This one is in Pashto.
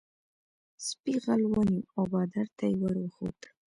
سپي غل ونیو او بادار ته یې ور وښود.